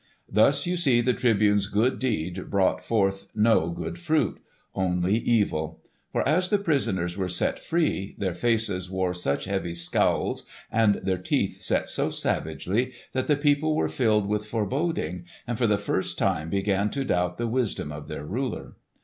Thus you see the Tribune's good deed brought forth no good fruit—only evil; for as the prisoners were set free, their faces wore such heavy scowls and their teeth set so savagely that the people were filled with foreboding and for the first time began to doubt the wisdom of their ruler.